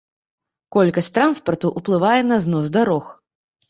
Колькасць транспарту ўплывае на знос дарог.